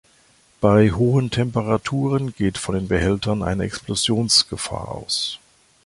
Bei hohen Temperaturen geht von den Behältern eine Explosionsgefahr aus.